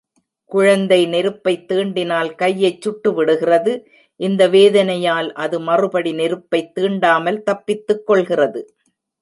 குழந்தை நெருப்பைத் தீண்டினால் கையைச் சுட்டு விடுகிறது இந்த வேதனையால் அது மறுபடி நெருப்பைத் தீண்டாமல் தப்பித்துக் கொள்கிறது.